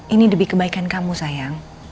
ini demi kebaikan kamu sayang